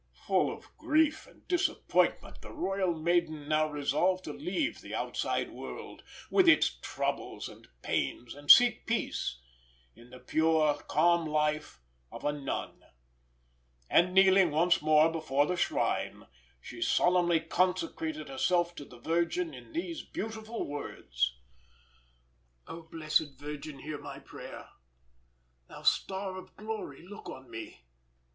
Full of grief and disappointment, the royal maiden now resolved to leave the outside world, with its troubles and pains, and seek peace in the pure, calm life of a nun; and kneeling once more before the shrine, she solemnly consecrated herself to the Virgin in these beautiful words: "Oh, blessed Virgin, hear my prayer! Thou star of glory, look on me!